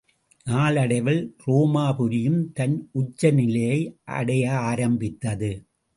நாளடைவில் உரோமா புரியும் தன் உச்சநிலையை அடைய ஆரம்பித்தது.